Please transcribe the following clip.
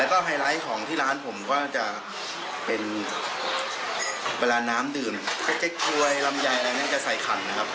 แล้วก็ไฮไลท์ของที่ร้านผมก็จะเป็นเวลาน้ำดื่มเจ๊กวยลำไยอะไรเนี่ยจะใส่คันนะครับ